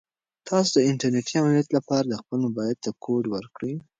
تاسو د انټرنیټي امنیت لپاره خپل موبایل ته کوډ ورکړئ.